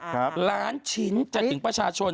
หลานชิ้นจาถิ่งประชาชน